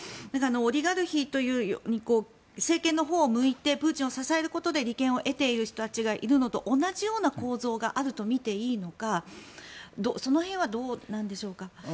オリガルヒという政権のほうを向いてプーチンを支えることで利権を得ている人がいることと同じような構造があると見ていいのかその辺はどうなんでしょうか？